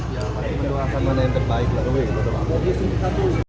ya pasti mendoakan mana yang terbaik